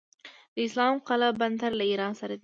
د اسلام قلعه بندر له ایران سره دی